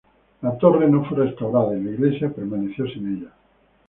La torre no fue restaurada y la iglesia permaneció sin ella.